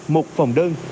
một phòng đơn